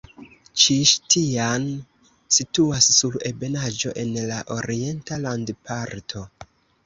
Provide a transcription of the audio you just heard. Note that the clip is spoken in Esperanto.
Ĉiŝtian situas sur ebenaĵo en la orienta landparto.